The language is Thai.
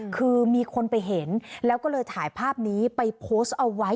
คือมีคนไปเห็นแล้วก็เลยถ่ายภาพนี้ไปโพสต์เอาไว้